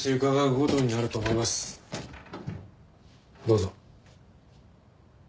どうぞ。